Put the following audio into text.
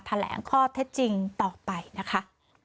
แถลงข้อเท็จจริงต่อไปนะคะ